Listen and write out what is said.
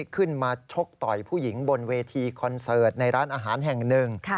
ชกต่อยผู้หญิงบนเวทีคอนเสิร์ตในร้านอาหารแห่งหนึ่ง